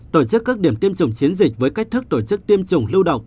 tổ chức các điểm tiêm chủng chiến dịch với cách thức tổ chức tiêm chủng lưu động